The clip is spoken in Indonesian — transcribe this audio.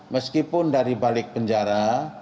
meskipun dari balik penjara